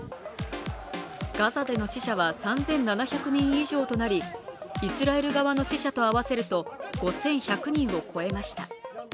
ガザでの死者は３７００人以上となりイスラエル側の死者と合わせると５１００人を超えました。